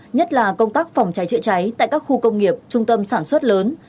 nhất là công tác phòng cháy chữa cháy tại các khu công nghiệp trung tâm sản xuất lớn